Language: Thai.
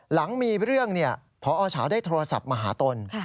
หลังมีเรื่องพอเฉาได้โทรศัพท์มาหาตน